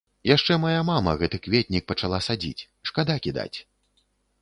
Яшчэ мая мама гэты кветнік пачала садзіць, шкада кідаць.